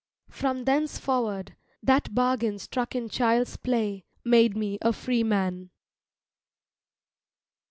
From thenceforward that bargain struck in child's play made me a free man.